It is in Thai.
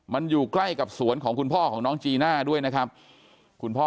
มันอยู่ใกล้กับสวนของคุณพ่อของน้องจีน่าด้วยนะครับคุณพ่อ